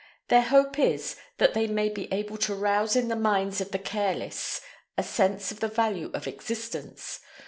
Their hope is, that they may be able to rouse in the minds of the careless a sense of the value of existence.